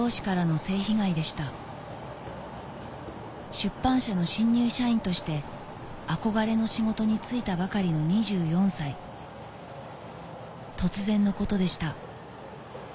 出版社の新入社員として憧れの仕事に就いたばかりの２４歳突然のことでした